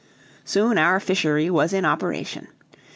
Soon our fishery was in operation.